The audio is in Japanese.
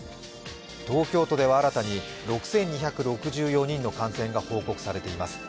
東京都では新たに６２６４人の感染が報告されています。